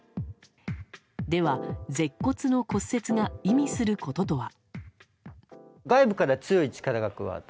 では舌骨の骨折が意味することとは？